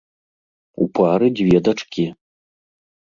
У пары дзве дачкі.